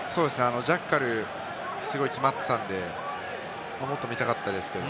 ジャッカル、すごい決まってたんで、もっと見たかったんですけど。